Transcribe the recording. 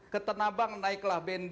ketenabang naiklah bnd